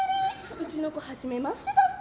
うちの子、はじめましてだっけ？